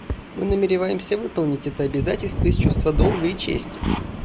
Мы намереваемся выполнить это обязательство из чувства долга и чести.